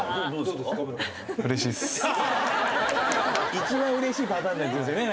一番うれしいパターンのやつですよね。